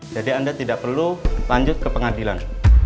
jadi anda tidak perlu lanjut ke pengadilan